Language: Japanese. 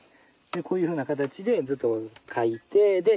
でこういうふうな形でずっとかいて。